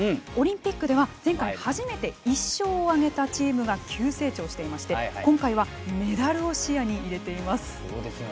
オリンピックでは、前回初めて１勝を挙げたチームが急成長していまして今回はメダルを視野に入れています。